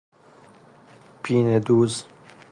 پینه دوز